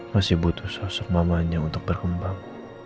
masih butuh sosok mamanya untuk berkembang